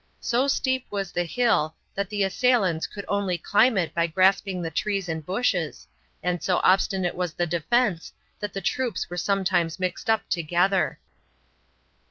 So steep was the hill that the assailants could only climb it by grasping the trees and bushes, and so obstinate was the defense that the troops were sometimes mixed up together.